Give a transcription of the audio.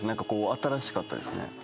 新しかったですね。